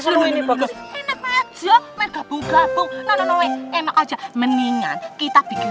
selalu ini bagus enak aja mencabut gabung enak aja mendingan kita bikin